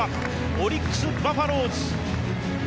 オリックス・バファローズ。